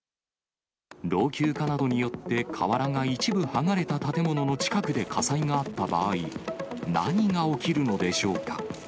老朽化などによって瓦が一部剥がれた建物の近くで火災があった場合、何が起きるのでしょうか。